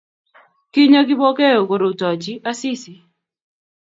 Kinyo Kipokeo korutochi Asisi